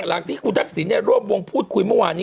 หลังที่คุณทักษิณร่วมวงพูดคุยเมื่อวานนี้